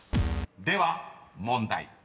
［では問題］